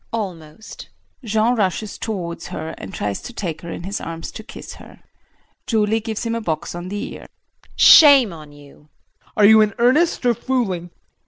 JULIE. Almost. [Jean rushes towards her and tries to take her in his arms to kiss her.] JULIE [Gives him a box on the ear]. Shame on you. JEAN. Are you in earnest, or fooling?